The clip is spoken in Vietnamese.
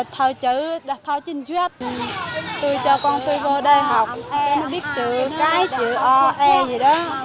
tho chữ tho chinh duyết tôi cho con tôi vô đây học nó biết chữ cái chữ o e gì đó